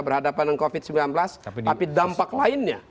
berhadapan dengan covid sembilan belas tapi